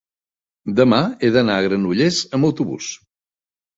demà he d'anar a Granollers amb autobús.